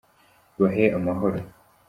bahe amahoro.